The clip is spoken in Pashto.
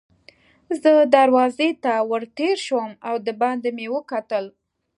زه دروازې ته ور تېر شوم او دباندې مې وکتل.